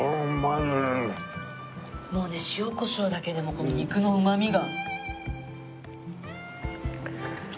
もうね塩コショウだけでもこの肉のうまみが。